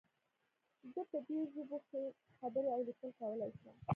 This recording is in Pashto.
زه په دې ژبو ښې خبرې او لیکل کولی شم